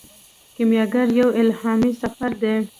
کیمیاګر یو الهامي سفر دی.